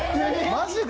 マジで？